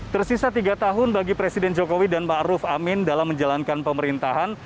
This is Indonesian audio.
tersisa tiga tahun bagi presiden jokowi dan wapresma ruf amin dalam menjalankan pemerintahan